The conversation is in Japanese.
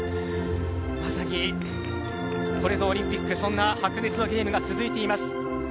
まさにこれぞオリンピック、そんな白熱のゲームが続いています。